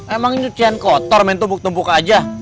emang cucian kotor main tumpuk tumpuk aja